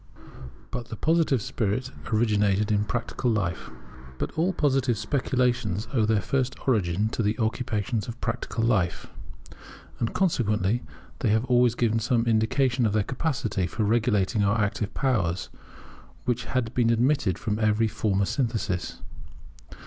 [But the Positive spirit originated in practical life] But all Positive speculations owe their first origin to the occupations of practical life; and, consequently, they have always given some indication of their capacity for regulating our active powers, which had been omitted from every former synthesis.